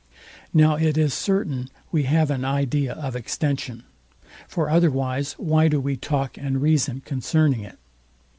Now it is certain we have an idea of extension; for otherwise why do we talk and reason concerning it?